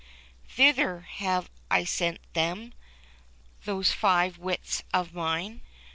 Thither have I sent them. Those Five Wits of mine.